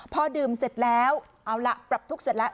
พอดื่มเสร็จแล้วเอาล่ะปรับทุกข์เสร็จแล้ว